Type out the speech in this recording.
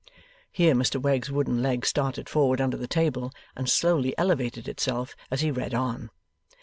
(Here Mr Wegg's wooden leg started forward under the table, and slowly elevated itself as he read on.)